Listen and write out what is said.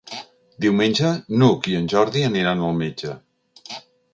Diumenge n'Hug i en Jordi aniran al metge.